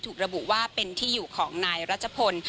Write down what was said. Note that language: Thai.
ระบุว่าเป็นที่อยู่ของนายรัชพล